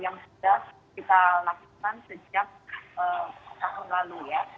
yang sudah kita lakukan sejak tahun lalu ya